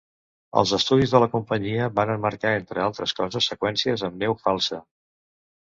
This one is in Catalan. Els estudis de la companyia van emmarcar, entre altres coses, seqüències amb neu falsa.